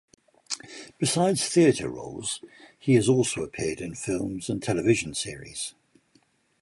Besides theatre roles he has also appeared in films and television series.